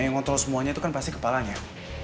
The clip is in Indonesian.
yang ngontrol semuanya tuh kan pasti kepalanya